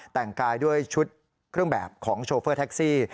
แต่งกายด้วยชุดเครื่องแบบของโชเฟอร์แท็กซี่